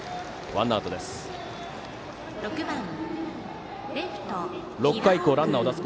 ワンアウトです。